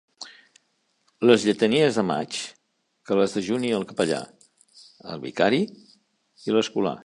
Les lletanies de maig que les dejuni el capellà, el vicari i l'escolà.